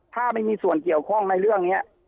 ถ้าไม่มีส่วนเกี่ยวข้องในเรื่องนี้